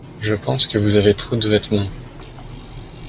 Je pense que vous avez trop de vêtements.